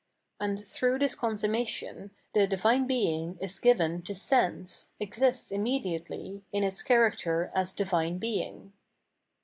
And through this consummation, the Divine Being is ^ven to sense, exists immediately, in its character as Divine Being.